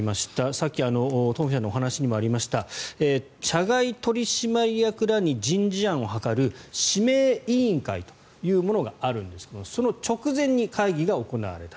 さっき東輝さんのお話にもありました社外取締役らに人事案を諮る指名委員会というものがあるんですがその直前に会議が行われた。